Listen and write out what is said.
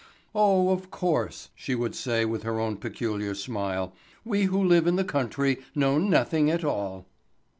"Oh, of course," she would say with her own peculiar smile, "we who live in the country know nothing at all!"